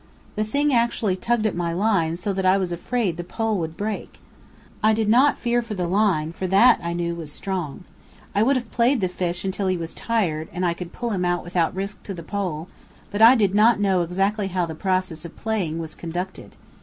The thing actually tugged at my line so that I was afraid the pole would break. I did not fear for the line, for that, I knew, was strong. I would have played the fish until he was tired, and I could pull him out without risk to the pole, but I did not know exactly how the process of "playing" was conducted.